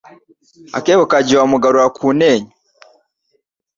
Akebo kajya iwa Mugarura kuntenyo